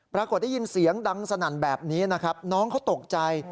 ปรากฏได้ยินเสียงดังสนั่นแบบนี้นะครับน้องเขาตกใจ